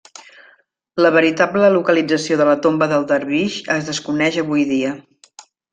La veritable localització de la tomba del dervix es desconeix avui dia.